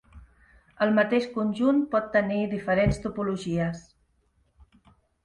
El mateix conjunt pot tenir diferents topologies.